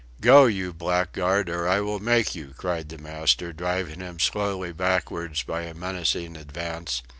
"Go, you blackguard, or I will make you," cried the master, driving him slowly backwards by a menacing advance.